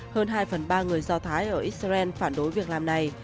hơn hai phần ba người do thái ở israel phản đối việc làm này